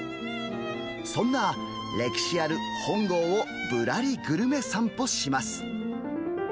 そんな歴史ある本郷をぶらりグルメ散歩します。